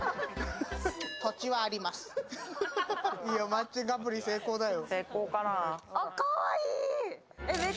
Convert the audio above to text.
マッチングアプリ成功だよ。